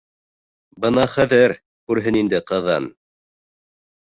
Бына хәҙер күрһен инде ҡыҙын.